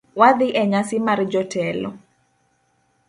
Wadhi enyasi mar jotelo